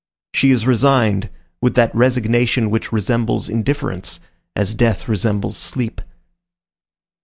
She is resigned, with that resignation which resembles indifference, as death resembles sleep.